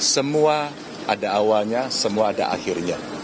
semua ada awalnya semua ada akhirnya